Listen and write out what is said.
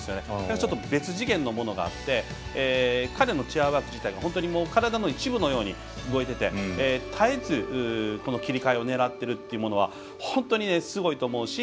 ちょっと別次元のものがあって彼のチェアワーク自体が本当に体の一部のように動いてて絶えず、この切り替えを狙っているというものは本当に、すごいと思うし